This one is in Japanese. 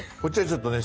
ちょっとね